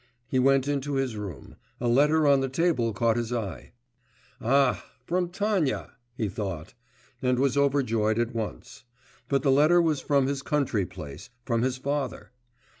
He went into his room; a letter on the table caught his eye. 'Ah! from Tanya!' he thought, and was overjoyed at once; but the letter was from his country place, from his father.